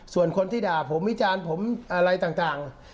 ส่วนคนที่ด่าผมวิจารณ์ผมอะไรต่าง